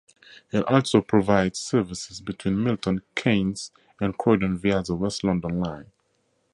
It also provides services between Milton Keynes and Croydon via the West London Line.